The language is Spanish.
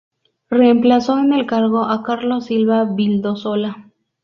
Reemplazó en el cargo a Carlos Silva Vildósola.